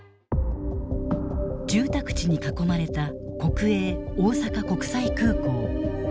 住宅地に囲まれた国営大阪国際空港。